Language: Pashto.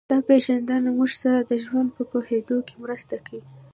دا پېژندنه موږ سره د ژوند په پوهېدو کې مرسته کوي